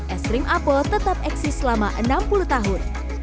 es krim apel tetap eksis selama enam puluh tahun